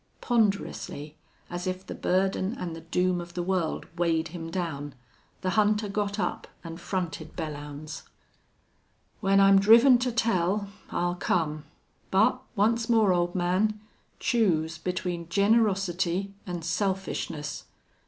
Ponderously, as if the burden and the doom of the world weighed him down, the hunter got up and fronted Belllounds. "When I'm driven to tell I'll come.... But, once more, old man, choose between generosity an' selfishness.